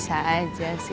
kalian bisa saja sih